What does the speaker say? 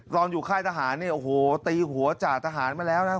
อยู่ค่ายทหารเนี่ยโอ้โหตีหัวจ่าทหารมาแล้วนะครับ